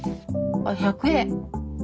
１００円。